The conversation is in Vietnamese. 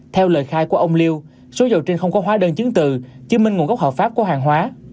theo lời khai của ông liêu số dầu trên không có hóa đơn chứng từ chứng minh nguồn gốc hợp pháp của hàng hóa